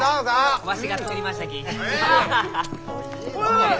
わしが作りましたき。